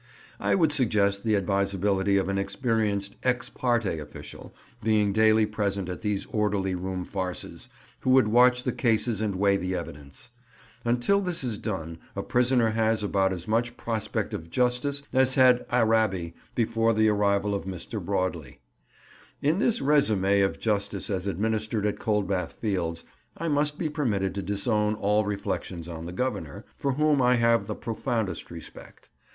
I would suggest the advisability of an experienced ex parte official being daily present at these orderly room farces, who could watch the cases and weigh the evidence. Until this is done a prisoner has about as much prospect of justice as had Arabi before the arrival of Mr. Broadley. In this résumé of justice as administered at Coldbath Fields I must be permitted to disown all reflections on the Governor, for whom I have the profoundest respect.